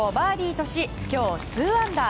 ここをバーディーとし今日２アンダー。